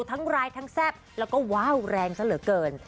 ทั้งร้ายทั้งแซ่บแล้วก็ว้าวแรงซะเหลือเกิน